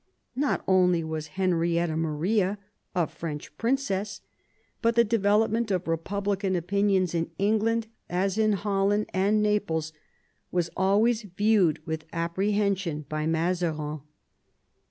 Not only was Henrietta Maria a French princess, but the development of republican opinions in England, as in Holland and Naples, was always viewed with apprehension by Mazarin.